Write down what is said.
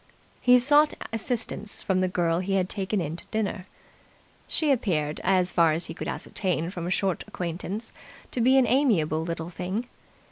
He sought assistance from the girl he had taken in to dinner. She appeared, as far as he could ascertain from a short acquaintance, to be an amiable little thing.